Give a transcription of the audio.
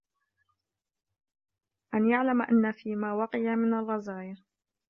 أَنْ يَعْلَمَ أَنَّ فِي مَا وُقِيَ مِنْ الرَّزَايَا